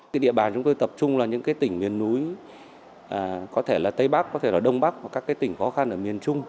cái địa bàn chúng tôi tập trung là những cái tỉnh miền núi có thể là tây bắc có thể là đông bắc hoặc các cái tỉnh khó khăn ở miền trung